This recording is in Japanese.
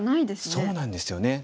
そうなんですよね。